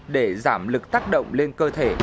để giảm lực tác động lên cơ thể